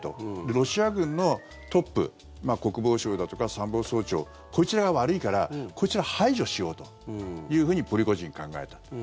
ロシア軍のトップ国防相だとか参謀総長こいつらが悪いからこいつら排除しようというふうにプリゴジンは考えた。